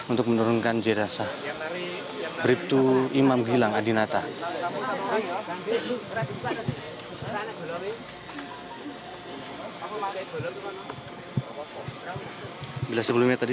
untuk menurunkan jenazah